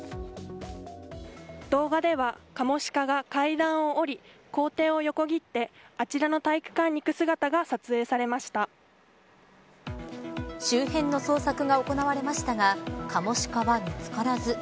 動画ではカモシカが階段を下り校庭を横切って、あちらの体育館に行く姿が周辺の捜索が行われましたがカモシカは見つからず。